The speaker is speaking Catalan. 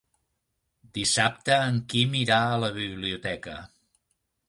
Dissabte en Quim irà a la biblioteca.